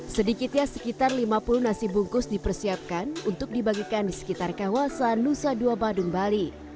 sedikitnya sekitar lima puluh nasi bungkus dipersiapkan untuk dibagikan di sekitar kawasan nusa dua badung bali